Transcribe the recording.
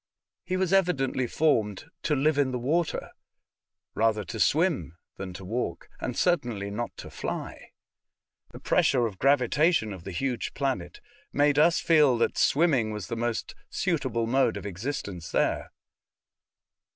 He was evidently formed to live in the water — rather to swim First Impressions. 167 than to walk, and certainly not to fly. The pressure of gravitation of the huge planet made us feel that swimming was the most suitable mode of existence there.